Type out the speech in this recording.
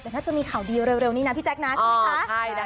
แต่ถ้าจะมีข่าวดีเร็วนี้นะพี่แจ๊คนะใช่ไหมคะ